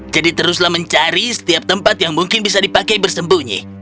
jadi teruslah mencari setiap tempat yang mungkin bisa dipakai bersembunyi